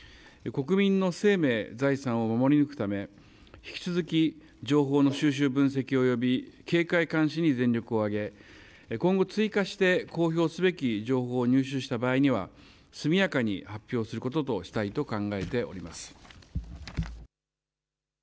国民の生命、財産を守り抜くため、引き続き、情報の収集、分析および警戒監視に全力を挙げ、今後追加して公表すべき情報を入手した場合には、速やかに発表することとしたいと考えております。